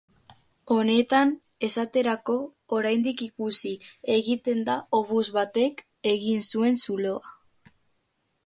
Honetan, esaterako, oraindik ikusi egiten da obus batek egin zuen zuloa.